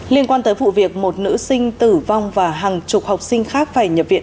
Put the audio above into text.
liên quan tới vụ việc một nữ sinh tử vong và hàng chục học sinh khác phải nhập viện